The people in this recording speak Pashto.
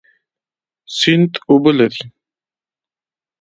سیند اوبه لري